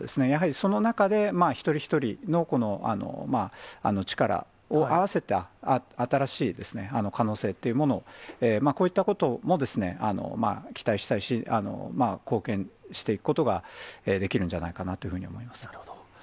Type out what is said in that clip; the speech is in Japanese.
やはりその中で、一人一人の力を合わせた新しい可能性っていうものを、こういったことも期待したいし、貢献していくことができるんじゃないかなというふうに思います。